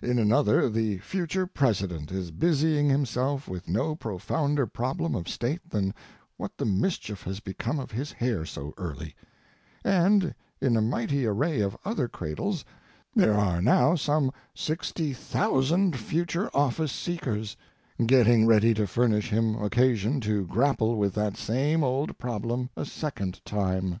In another the future President is busying himself with no profounder problem of state than what the mischief has become of his hair so early; and in a mighty array of other cradles there are now some 60,000 future office seekers, getting ready to furnish him occasion to grapple with that same old problem a second time.